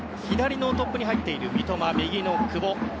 左のトップに入っている三笘右の久保。